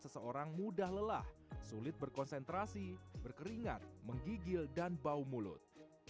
seseorang mudah lelah sulit berkonsentrasi berkeringat menggigil dan bau mulut